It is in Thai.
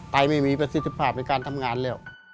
ไม่มีประสิทธิภาพในการทำงานแล้ว